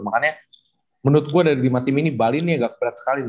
makanya menurut gue dari lima tim ini bali ini agak berat sekali